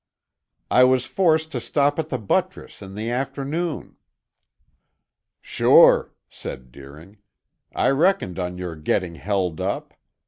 "I was forced to stop at the buttress in the afternoon." "Sure," said Deering. "I reckoned on your getting held up.